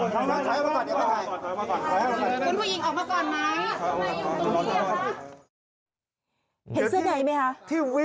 คำนวณเจอยังไหมครับคำนวณเจอยังไหมครับ